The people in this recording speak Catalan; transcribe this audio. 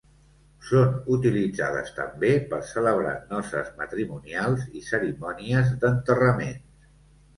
Són utilitzades també per celebrar noces matrimonials i cerimònies d'enterraments.